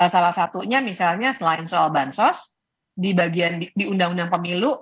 salah satunya misalnya selain soal bansos di bagian di undang undang pemilu